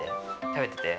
食べてて。